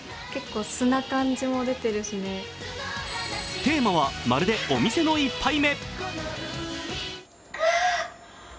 テーマは「まるでお店の一杯目！」